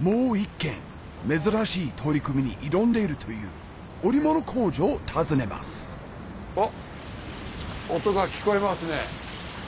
もう１軒珍しい取り組みに挑んでいるという織物工場を訪ねますおっ音が聞こえますね。